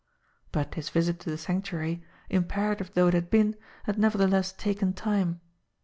But his visit to the Sanctuary, imperative though it had been, had nevertheless taken time.